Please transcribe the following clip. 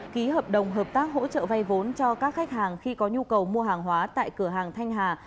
ký hợp đồng hợp tác hỗ trợ vay vốn cho các khách hàng khi có nhu cầu mua hàng hóa tại cửa hàng thanh hà